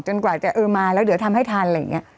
กว่าจะเออมาแล้วเดี๋ยวทำให้ทันอะไรอย่างนี้